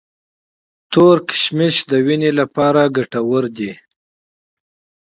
تور ممیز د وینې لپاره ګټور دي.